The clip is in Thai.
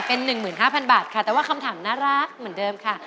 เป็น๑๕๐๐บาทค่ะแต่ว่าคำถามน่ารักเหมือนเดิมค่ะ